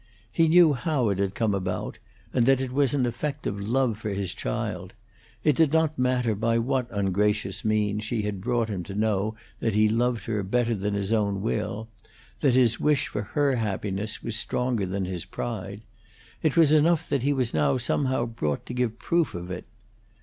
He knew how it had come about, and that it was an effect of love for his child; it did not matter by what ungracious means she had brought him to know that he loved her better than his own will, that his wish for her happiness was stronger than his pride; it was enough that he was now somehow brought to give proof of it.